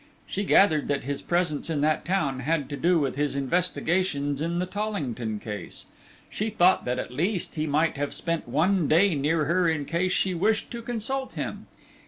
She gathered that his presence in that town had to do with his investigations in the Tollington case. She thought that at least he might have spent one day near her in case she wished to consult him.